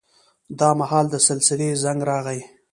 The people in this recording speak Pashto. دا مهال د سلسلې زنګ راغی.